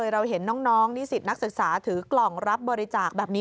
เราเห็นน้องนิสิตนักศึกษาถือกล่องรับบริจาคแบบนี้